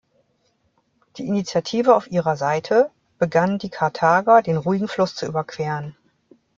Die Initiative auf ihrer Seite, begannen die Karthager den ruhigen Fluss zu überqueren.